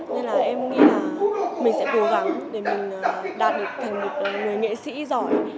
nên là em nghĩ là mình sẽ cố gắng để mình đạt được thành một người nghệ sĩ giỏi